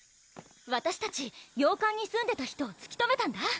わたしたち洋館に住んでた人をつき止めたんだ！